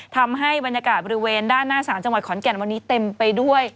ทำให้บรรยากาศบริเวณด้านหน้าศาลจังหวัดขอนแก่นวันนี้เต็มไปด้วย